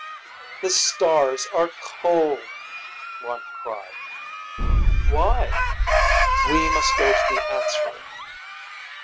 "The stars are cold," one cried. "Why?" "We must go to the Answerer."